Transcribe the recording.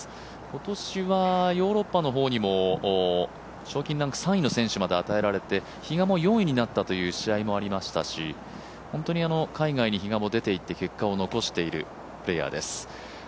今年はヨーロッパの方にも、賞金ランク３位の選手まで与えられて比嘉も４位になったという試合もありましたし本当に海外に比嘉も出て行って結果を残しているプレーヤーです。